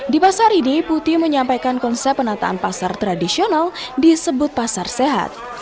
di pasar ini putih menyampaikan konsep penataan pasar tradisional disebut pasar sehat